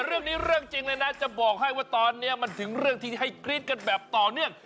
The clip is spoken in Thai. เรื่องนี้เรื่องจริงเลยนะจะบอกให้ว่าตอนนี้มันถึงเรื่องที่ให้กรี๊ดกันแบบต่อเนื่อง